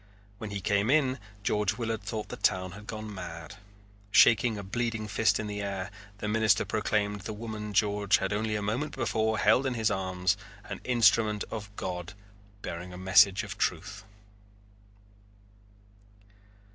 When he came in George Willard thought the town had gone mad. Shaking a bleeding fist in the air, the minister proclaimed the woman George had only a moment before held in his arms an instrument of God bearing a message of truth.